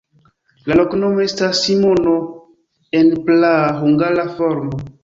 La loknomo estas Simono en praa hungara formo.